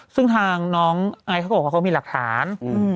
ซึ่งทางน้องไอซ์เขาบอกว่าเขามีหลักฐาน